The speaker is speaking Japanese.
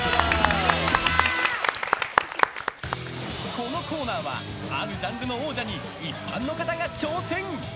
このコーナーはあるジャンルの王者に一般の方が挑戦。